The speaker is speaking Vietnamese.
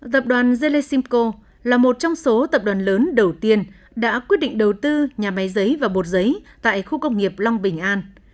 tập đoàn zelesimco là một trong số tập đoàn lớn đầu tiên đã quyết định đầu tư nhà máy giấy và bột giấy tại khu công nghiệp long bình an